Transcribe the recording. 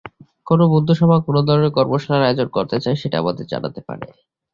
কোন বন্ধুসভা কোন ধরনের কর্মশালার আয়োজন করতে চায়, সেটা আমাদের জানাতে পারে।